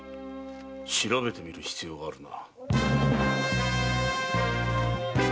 調べてみる必要があるな。